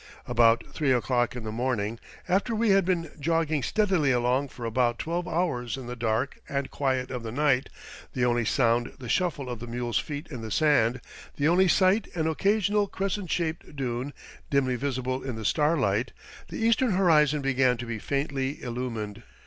About three o'clock in the morning after we had been jogging steadily along for about twelve hours in the dark and quiet of the night, the only sound the shuffle of the mules' feet in the sand, the only sight an occasional crescent shaped dune, dimly visible in the starlight the eastern horizon began to be faintly illumined.